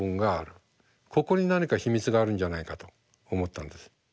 ここに何か秘密があるんじゃないかと思ったんです。